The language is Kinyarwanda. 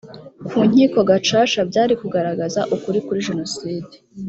ku nkiko gacaca byari kugaragaza ukuri kuri jenoside